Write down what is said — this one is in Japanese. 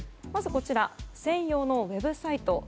まず、専用のウェブサイト。